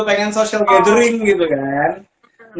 pengen social gathering gitu kan